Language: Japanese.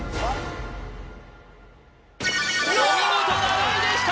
お見事７位でした！